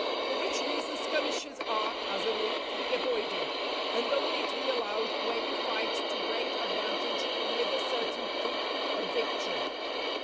For which reason skirmishes are, as a rule, to be avoided, and only to be allowed where you fight to great advantage and with a certainty of victory.